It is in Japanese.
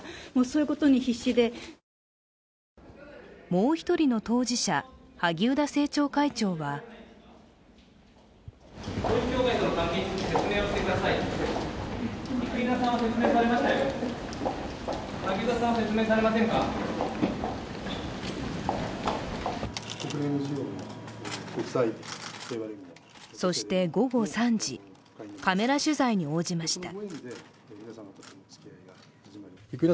もう一人の当事者、萩生田政調会長はそして午後３時カメラ取材に応じました。